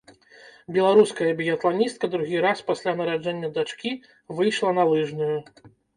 Беларуская біятланістка другі раз пасля нараджэння дачкі выйшла на лыжную.